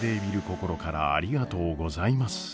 心からありがとうございます。